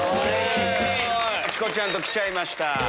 チコちゃんと来ちゃいました。